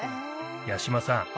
八嶋さん